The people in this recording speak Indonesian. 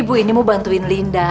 ibu ini mau bantuin linda